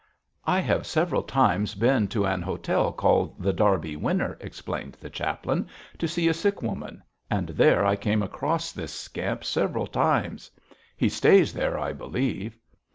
'I have several times been to an hotel called The Derby Winner,' explained the chaplain, 'to see a sick woman; and there I came across this scamp several times. He stays there, I believe!'